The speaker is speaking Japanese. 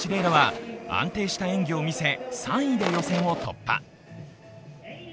楽は安定した演技を見せ、３位で予選を突破。